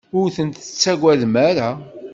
Ur ten-tettagadem ara.